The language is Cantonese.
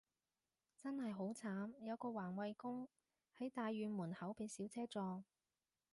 真係好慘，有個環衛工，喺大院門口被小車撞